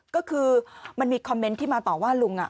ก็คือมันมีคอมเมนต์ที่มาต่อว่าลุง